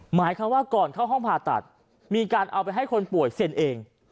หมายความว่าก่อนเข้าห้องผ่าตัดมีการเอาไปให้คนป่วยเซ็นเอง